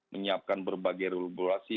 menyiapkan berbagai regulasi